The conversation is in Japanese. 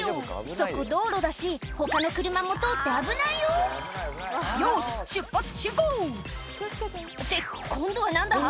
そこ道路だし他の車も通ってアブナイよよし出発進行って今度は何だ？